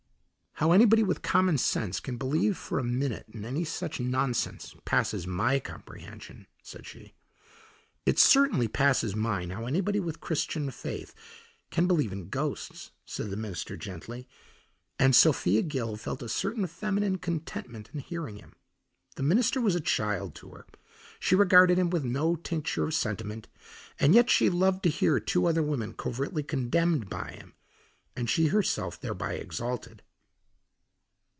"How anybody with common sense can believe for a minute in any such nonsense passes my comprehension," said she. "It certainly passes mine how anybody with Christian faith can believe in ghosts," said the minister gently, and Sophia Gill felt a certain feminine contentment in hearing him. The minister was a child to her; she regarded him with no tincture of sentiment, and yet she loved to hear two other women covertly condemned by him and she herself thereby exalted.